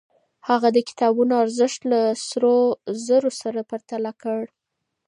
هغه د کتابونو ارزښت له سرو زرو سره پرتله کړ.